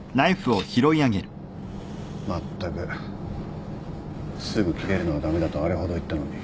まったくすぐキレるのは駄目だとあれほど言ったのに。